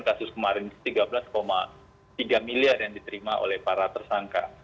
kasus kemarin tiga belas tiga miliar yang diterima oleh para tersangka